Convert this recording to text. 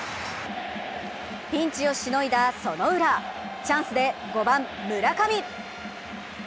ピンチをしのいだ、そのウラ、チャンスで５番・村上。